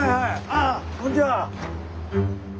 ああこんにちは！